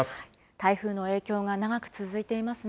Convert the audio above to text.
台風の影響が長く続いてますね。